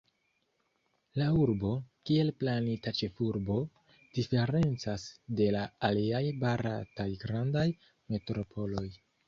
La urbo, kiel planita ĉefurbo, diferencas de la aliaj barataj grandaj metropoloj.